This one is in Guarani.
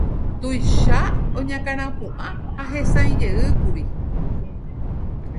Tuicha oñakãrapu'ã ha hesãijeýkuri.